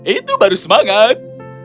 itu baru semangat